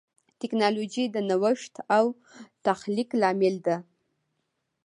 ټکنالوجي د نوښت او تخلیق لامل ده.